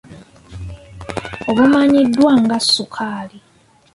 Obumanyiddwa nga sukaali.